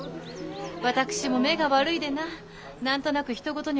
私も目が悪いでな何となくひと事には思えぬゆえ。